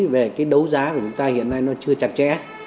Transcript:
về cái đấu giá của chúng ta hiện nay nó chưa chặt chẽ